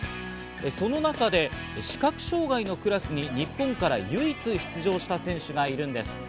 その中で視覚障害のクラスに日本から唯一出場した選手がいるんです。